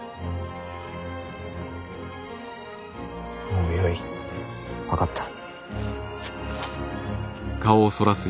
もうよい分かった。